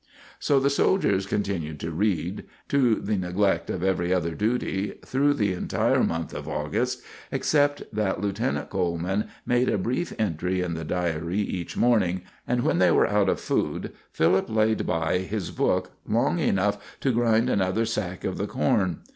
So the soldiers continued to read, to the neglect of every other duty, through the entire month of August, except that Lieutenant Coleman made a brief entry in the diary each morning, and, when they were out of food, Philip laid by his book long enough to grind another sack of the corn.